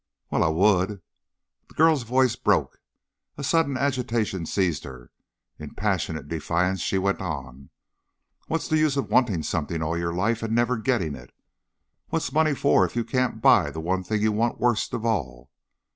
"Well, I would." The girl's voice broke, a sudden agitation seized her; in passionate defiance she went on: "What's the use of wanting something all your life and never getting it? What's money for if you can't buy the one thing you want worst of all?